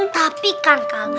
tapi kan kak